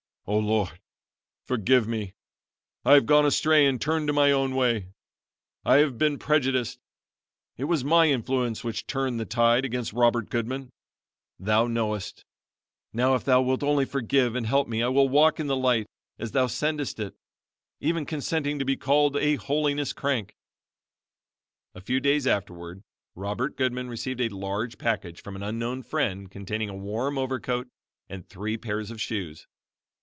"Oh, Lord, forgive me. I have gone astray and turned to my own way. I have been prejudiced. It was my influence which turned the tide against Robert Goodman. Thou knowest. Now, if Thou wilt only forgive and help me I will walk in the light as Thou sendest it, even consenting to be called a 'holiness crank.'" A few days afterward Robert Goodman received a large package from an unknown friend containing a warm overcoat and three pairs of shoes.